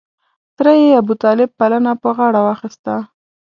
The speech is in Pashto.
تره یې ابوطالب پالنه په غاړه واخسته.